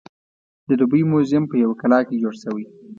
د دوبۍ موزیم په یوه کلا کې جوړ شوی.